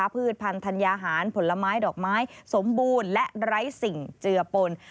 พืชพันธัญญาหารผลไม้ดอกไม้สมบูรณ์และไร้สิ่งเจือปน